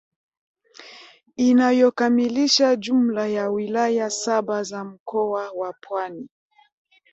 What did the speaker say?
Inayokamilisha jumla ya wilaya saba za mkoa wa Pwani